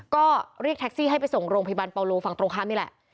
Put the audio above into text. ก็เรียกแท็กซี่ให้ไปส่งโรงพยาบาลปาโลฝั่งตรงข้ามนี่แหละ